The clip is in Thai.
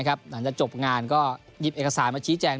หลังจากจบงานก็หยิบเอกสารมาชี้แจง